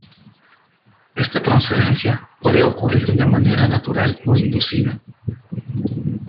Esta transferencia puede ocurrir de manera natural o inducida.